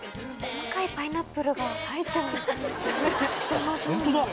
細かいパイナップルが入ってるんですね